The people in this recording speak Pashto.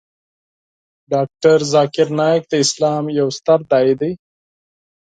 ډاکتر ذاکر نایک د اسلام یو ستر داعی دی .